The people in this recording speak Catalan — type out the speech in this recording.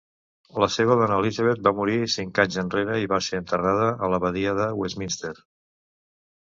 La seva dona Elizabeth va morir cinc anys enrere i va ser enterrada a l"Abadia de Westminster.